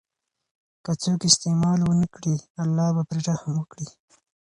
که څوک استعمال ونکړي، الله به پرې رحم وکړي.